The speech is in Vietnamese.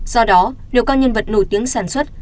do đó nếu có nhân vật nổi tiếng sản xuất